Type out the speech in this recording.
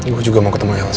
gue juga mau ketemu yelz